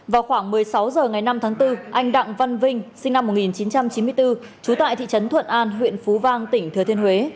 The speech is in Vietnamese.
vào khoảng một mươi sáu h ngày năm tháng bốn anh đặng văn vinh sinh năm một nghìn chín trăm chín mươi bốn trú tại thị trấn thuận an huyện phú vang tỉnh thừa thiên huế